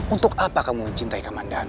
untuk apa kamu mencintai komandan